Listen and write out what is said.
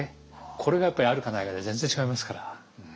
これがやっぱりあるかないかで全然違いますから。